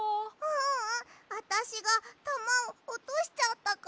ううん。あたしがたまをおとしちゃったから。